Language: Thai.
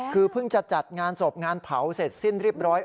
คือเพิ่งจะจัดงานศพงานเผาเสร็จสิ้นเรียบร้อย